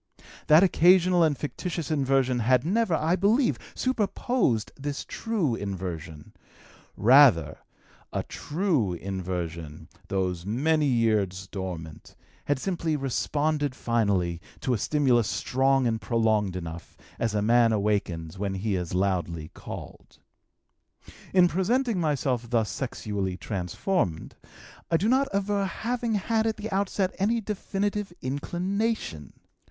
That occasional and fictitious inversion had never, I believe, superposed this true inversion; rather a true inversion, those many years dormant, had simply responded finally to a stimulus strong and prolonged enough, as a man awakens when he is loudly called. "In presenting myself thus sexually transformed, I do not aver having had at the outset any definitive inclination.